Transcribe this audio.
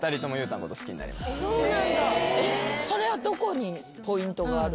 それはどこにポイントが。